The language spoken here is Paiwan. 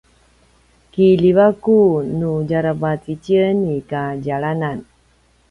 kiljivaku nu djaravac itjen i kadjalanan